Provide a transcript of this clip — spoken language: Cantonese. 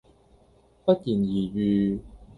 不言而喻